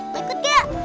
mau ikut gak